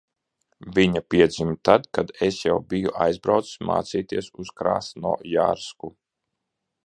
Viņa piedzima tad, kad es jau biju aizbraucis mācīties uz Krasnojarsku.